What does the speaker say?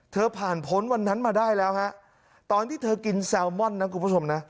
ผ่านพ้นวันนั้นมาได้แล้วฮะตอนที่เธอกินแซลมอนนะคุณผู้ชมนะ